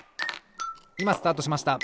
いまスタートしました！